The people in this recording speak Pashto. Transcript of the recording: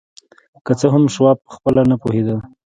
که څه هم شواب پخپله نه پوهېده